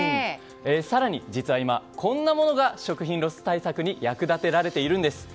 更に実は今、こんなものが食品ロス対策に役立てられているんです。